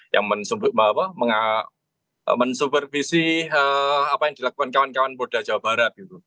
yang mensupervisi apa yang dilakukan kawan kawan polda jawa barat